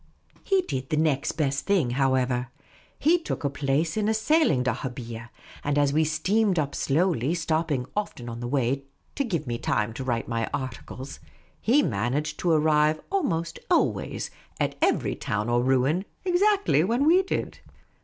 He did the next best thing, however : he took a place in a sailing dahabeah ; and as we steamed up slowly, stopping often on the way, to give me time to write my articles, he The Unobtrusive Oasis 187 managed to arrive almost always at every town or ruin ex actly when we did.